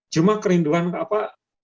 cuma kerinduan apa